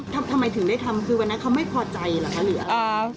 ทำทำไมถึงได้ทำคือกันนะเขาไม่พอใจหรืออะไร